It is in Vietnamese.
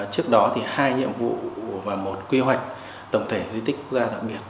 trước đó hai nhiệm vụ và một quy hoạch tổng thể di tích quốc gia đặc biệt